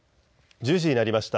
１０時になりました。